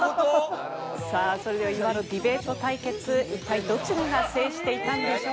さあそれでは今のディベート対決一体どちらが制していたんでしょうか？